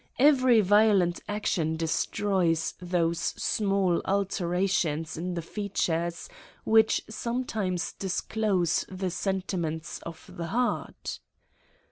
Every violent action destroys those small alterations in the features which sometimes dis close the sentiments of the heart.